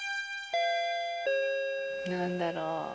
何だろう？